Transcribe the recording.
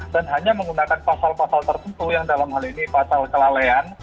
dan hanya menggunakan pasal pasal tertentu yang dalam hal ini pasal kelalean